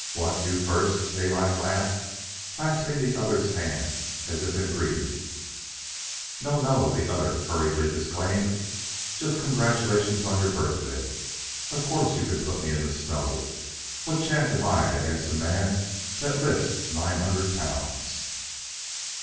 "What? You first?" Daylight laughed, clasping the other's hand as if in greeting. "No, no," the other hurriedly disclaimed. "Just congratulations on your birthday. Of course you can put me in the snow. What chance have I against a man that lifts nine hundred pounds?"